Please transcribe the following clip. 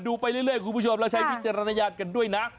ไปเรื่อยคุณผู้ชมแล้วใช้วิจารณญาณกันด้วยนะ